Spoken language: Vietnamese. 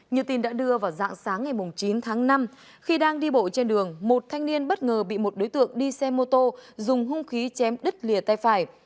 nhiều tin đã đưa vào dạng sáng ngày chín tháng năm khi đang đi bộ trên đường một thanh niên bất ngờ bị một đối tượng đi xe máy chém đứt lìa tay